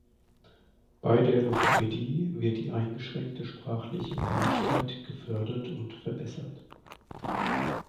Bei der "Logopädie" wird die eingeschränkte sprachliche Fähigkeit gefördert und verbessert.